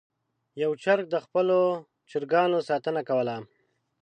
یو چرګ د خپلو چرګانو ساتنه کوله.